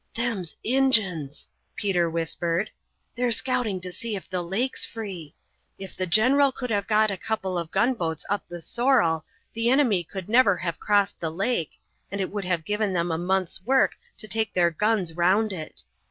"Them's Injuns," Peter whispered. "They're scouting to see if the lake's free. If the general could have got a couple of gunboats up the Sorrel the enemy could never have crossed the lake, and it would have given them a month's work to take their guns round it.